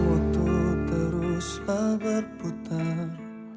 ibu teruslah berputar